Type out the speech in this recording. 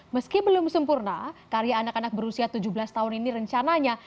meski belum sempurna karya anak anak berusia tujuh belas tahun ini rencananya